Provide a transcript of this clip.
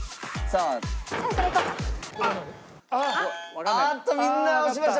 あーっとみんな押しました。